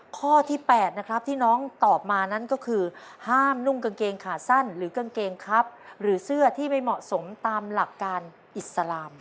ข้อที่๘นะครับที่น้องตอบมานั้นก็คือห้ามนุ่งกางเกงขาสั้นหรือกางเกงครับหรือเสื้อที่ไม่เหมาะสมตามหลักการอิสลาม